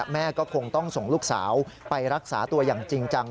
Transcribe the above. แม่ก็คงต้องส่งลูกสาวไปรักษาตัวอย่างจริงจัง